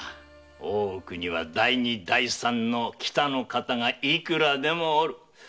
大奥には第二第三の喜多の方がいくらでも居る。